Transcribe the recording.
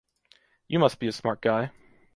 You must be a smart guy!